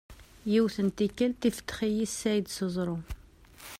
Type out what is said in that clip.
Yiwet n tikelt ifeddex-iyi Saɛid s uẓru.